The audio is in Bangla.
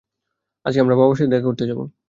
আজকে আমরা বাবার সাথে দেখা করতে যাব।